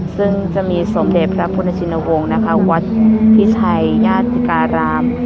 ซึ่งจะมีสมเด็จพระพุทธชินวงศ์นะคะวัดพิชัยญาติการาม